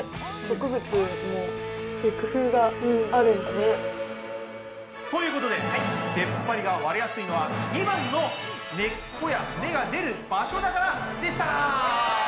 賢いね！ということででっぱりが割れやすいのは２番の「根っこや芽が出る場所だから」でした。